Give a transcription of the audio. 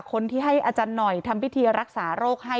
คนที่ให้อาจารย์หน่อยทำพิธีรักษาโรคให้